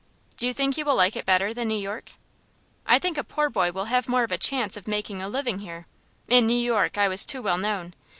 "Do you think you will like it better than New York?" "I think a poor boy will have more of a chance of making a living here. In New York I was too well known.